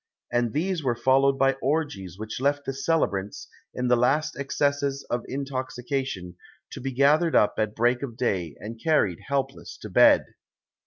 And these were followed by orgies which left the celebrants, in the last excesses of intoxication, to be gathered up at break of day and carried helpless to bed.